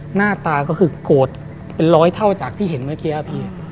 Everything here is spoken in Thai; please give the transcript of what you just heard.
หน้าตาก็คือโกรธเป็นร้อยเท่าจากที่เห็นเมื่อกี้พี่